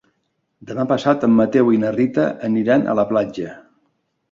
Demà passat en Mateu i na Rita aniran a la platja.